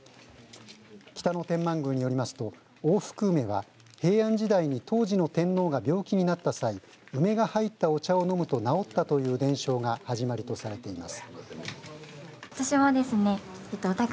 北野天満宮によりますと大福梅は平安時代に当時の天皇が病気になった際梅が入ったお茶を飲むと治ったという伝承が始まりとされています。